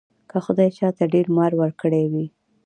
که خدای چاته ډېر مال ورکړی وي.